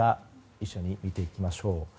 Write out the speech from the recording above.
一緒に見ていきましょう。